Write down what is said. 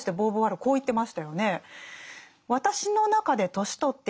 こう言ってましたよね。